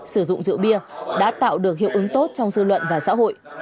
sử dụng rượu bia đã tạo được hiệu ứng tốt trong dư luận và xã hội